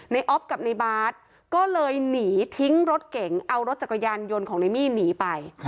อ๊อฟกับในบาร์ดก็เลยหนีทิ้งรถเก่งเอารถจักรยานยนต์ของในมี่หนีไป